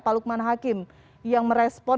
pak lukman hakim yang merespon